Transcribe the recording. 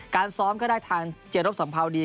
การซ้อมก็ได้ทางเจรบสัมภาวดี